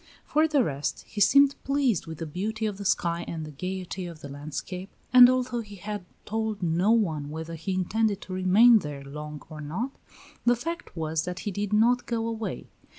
For the rest, he seemed pleased with the beauty of the sky and the gayety of the landscape, and although he had told no one whether he intended to remain there long or not, the fact was that he did not go away.